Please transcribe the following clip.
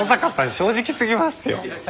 正直すぎますよ。